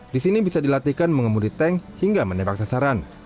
di sini bisa dilatihkan mengemudi tank hingga menembak sasaran